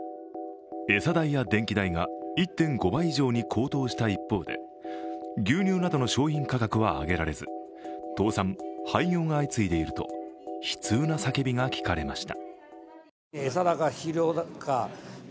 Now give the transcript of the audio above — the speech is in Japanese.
餌代や電気代が１．５倍以上に高騰した一方で牛乳などの商品価格は上げられず倒産・廃業が相次いでいると悲痛な叫びが聞かれました。